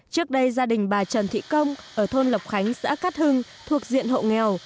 trước đây gia đình bà trần thị công ở thôn lộc khánh xã cát hưng thuộc diện hộ nghèo